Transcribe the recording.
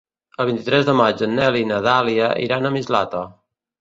El vint-i-tres de maig en Nel i na Dàlia iran a Mislata.